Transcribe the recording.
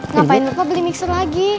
ngapain kok beli mixer lagi